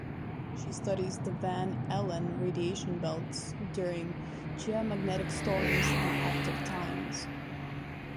She studies the Van Allen radiation belts during geomagnetic storms and active times.